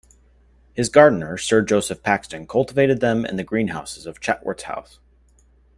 His gardener, Sir Joseph Paxton cultivated them in the greenhouses of Chatsworth House.